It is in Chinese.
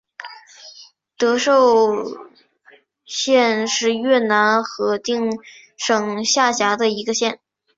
德寿县是越南河静省下辖的一个县。